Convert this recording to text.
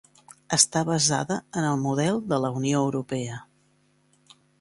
Està basada en el model de la Unió Europea.